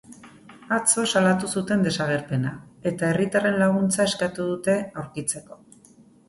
Atzo salatu zuten desagerpena, eta herritarren laguntza eskatu dute aurkitzeko.